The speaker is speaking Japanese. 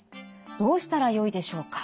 どうしたらよいでしょうか。